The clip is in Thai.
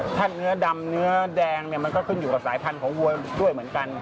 ถ้าเนื้อดำเนื้อแดงเนี่ยมันก็ขึ้นอยู่กับสายพันธุ์ของวัวด้วยเหมือนกัน